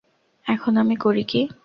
এখন আমি করি কী।